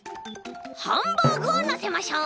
ハンバーグをのせましょう！